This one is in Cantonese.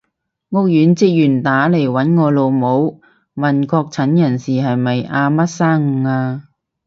屋苑職員打嚟搵我老母，問確診人士係咪阿乜生啊？